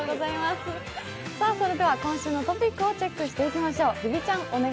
今週のトピックをチェックしていきましょう。